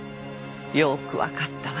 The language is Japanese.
よく分かったわ。